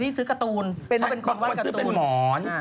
พี่ซื้อการ์ตูนมีมอน